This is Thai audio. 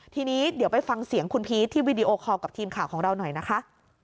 ทีนี้เดี๋ยวไปฟังเสียงคุณพีชที่วีดีโอคอลกับทีมข่าวของเราหน่อยนะคะ